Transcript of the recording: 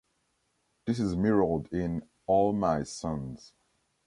This is mirrored in "All My Sons".